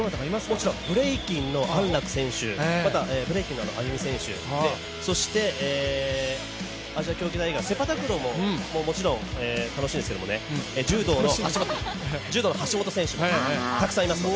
もちろん、ブレイキンの安楽選手などそして、アジア競技大会セパタクローももちろん楽しいんですけども、柔道の橋本選手などたくさんいますので。